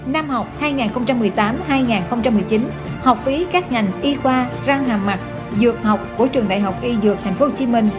năm học hai nghìn một mươi tám hai nghìn một mươi chín học phí các ngành y khoa răng hàm mặt dược học của trường đại học y dược tp hcm